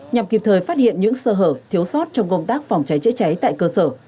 nhằm kịp thời phát hiện những sơ hở thiếu sót trong công tác phòng cháy chữa cháy tại cơ sở